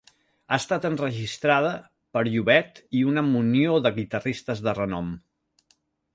Ha estat enregistrada per Llobet i una munió de guitarristes de renom.